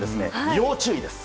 要注意です。